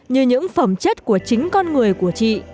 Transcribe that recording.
như những phẩm chất của chính con người của chị